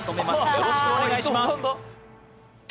よろしくお願いします。